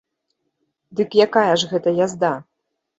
Дык якая ж гэта язда?